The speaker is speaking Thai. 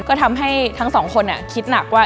ก็ทำให้ทั้งสองคนคิดหนักว่า